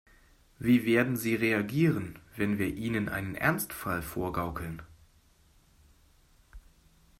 Wie werden sie reagieren, wenn wir ihnen einen Ernstfall vorgaukeln?